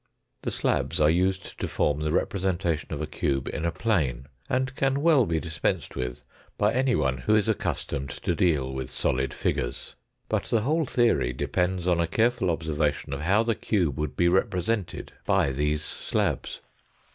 The slabs are used to form the representation of a cube in a plane, and can well be dispensed with by any one who is accustomed to deal with solid figures. But the whole theory depends on a careful observation of how the cube would be represented by these slabs.